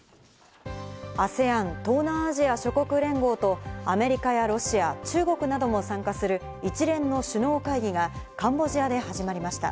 ＡＳＥＡＮ＝東南アジア諸国連合と、アメリカやロシア、中国なども参加する一連の首脳会議が、カンボジアで始まりました。